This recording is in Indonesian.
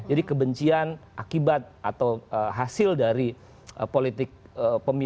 jadi kebencian akibat atau hasil dari politik elektoral